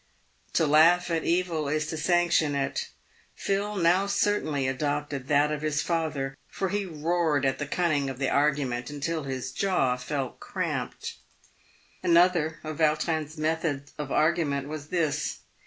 To laugh at evil is to sanction it ; Phil now certainly adopted that of his father, for he roared at the cunning of the argument, until his iaw felt cramped. Another of Vautrin' s methods of argument was this.